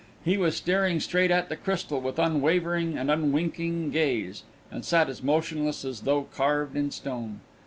He was staring straight at the crystal, with unwavering and unwinking gaze, and sat as motionless as though carved in stone.